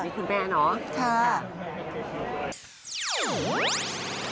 คุณแป้นเหรอค่ะค่ะค่ะ